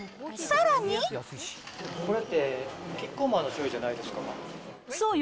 これって、キッコーマンのしょうゆじゃないですか。